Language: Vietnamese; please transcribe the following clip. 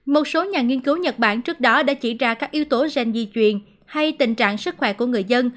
một số nhà nghiên cứu nhật bản trước đó đã chỉ ra các yếu tố gen di truyền hay tình trạng sức khỏe của người dân